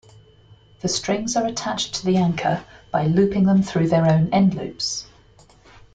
The strings are attached to the anchor by looping them through their own end-loops.